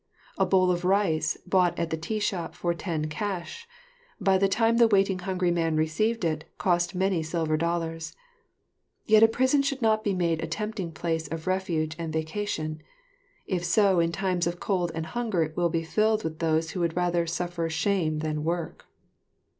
A bowl of rice bought at the tea shop for ten cash, by the time the waiting hungry man received it, cost many silver dollars. Yet a prison should not be made a tempting place of refuge and vacation; if so in times of cold and hunger it will be filled with those who would rather suffer shame than work.